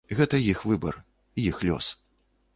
Гэта іх выбар, іх лёс.